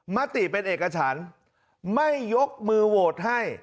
มติเป็นเอกฉันไม่ยกมือโหวตให้